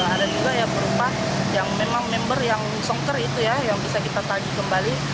ada juga yang berupa yang memang member yang songker itu ya yang bisa kita taji kembali